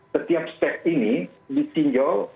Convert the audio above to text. setiap step ini disinjau